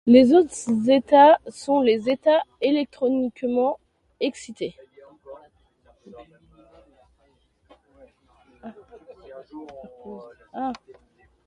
Les autres états sont les états électroniquement excités.